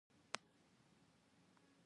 د کیشپ عمر ډیر اوږد وي